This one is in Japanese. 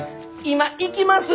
今行きます！